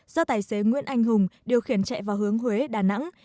do tài xế nguyễn anh hùng điều khiển chạy vào hướng huế đà nẵng